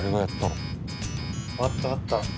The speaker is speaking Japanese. あったあった。